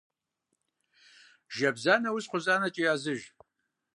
Жэбза нэужь кхъузанэкӀэ языж.